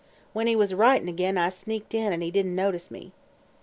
When he was writin' ag'in I sneaked in an' he didn't notice me.